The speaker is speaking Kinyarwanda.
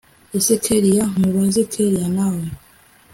ese kelli nkubazekellia nawe